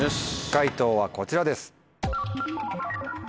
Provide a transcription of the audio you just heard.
解答はこちらです。